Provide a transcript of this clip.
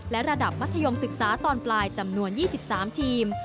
และระดับมัธยมศึกษาตอนปลายจำนวน๒๓ทีม